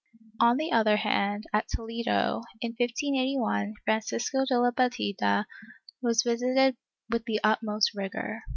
^ On the other hand, at Toledo, in 1581, Francisco de la Bastida was visited with the utmost rigor.